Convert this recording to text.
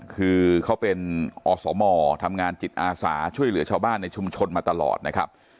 คือเขาเป็นอสมทำงานจิตอาสาช่วยเหลือชาวบ้านในชุมชนมาตลอดนะครับ